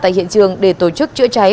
tại hiện trường để tổ chức chữa cháy